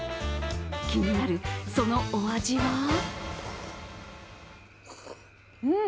気になる、そのお味は？